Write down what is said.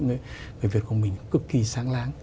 người việt của mình cực kỳ sáng láng